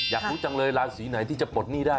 อยากรู้จังเลยราศีไหนที่จะปลดหนี้ได้